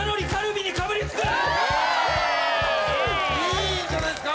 いいんじゃないですか。